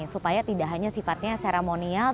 supaya tidak hanya sifatnya seremonial